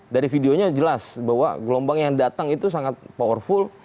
dari videonya jelas bahwa gelombang yang datang itu sangat powerful